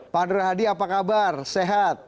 pak nur hadi apa kabar sehat